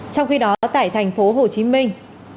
trong khi đó tại thành phố hồ chí minh